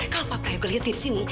kalau pak prajok lihat dari sini